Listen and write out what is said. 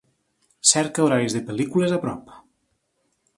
Cerca horaris de pel·lícules a prop.